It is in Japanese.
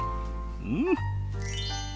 うん！